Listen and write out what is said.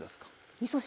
みそ汁。